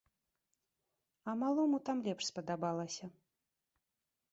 А малому там лепш спадабалася.